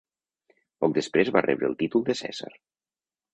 Poc després va rebre el títol de cèsar.